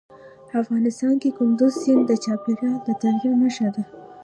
افغانستان کې کندز سیند د چاپېریال د تغیر نښه ده.